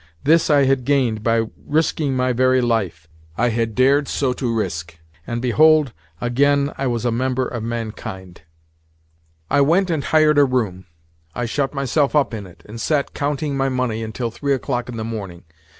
This I had gained by risking my very life. I had dared so to risk, and behold, again I was a member of mankind! I went and hired a room, I shut myself up in it, and sat counting my money until three o'clock in the morning.